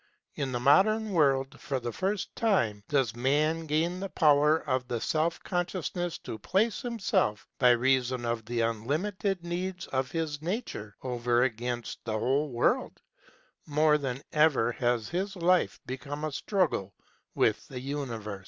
In the modern world, for the first time, does man gain the power and the self consciousness to place himself, by reason of the unlimited needs of his nature, over against the whole world ; more than ever has his life become a struggle with the universe.